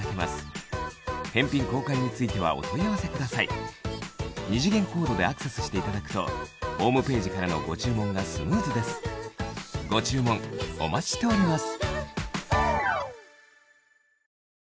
コンパクトなのにハイパワー二次元コードでアクセスしていただくとホームページからのご注文がスムーズですご注文お待ちしております